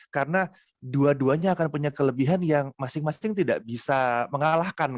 karena dua duanya akan punya kelebihan yang masing masing bisa mencapai